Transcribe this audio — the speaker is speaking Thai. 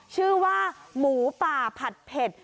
ชื่อว่าหมูป่าผัดเผ็ด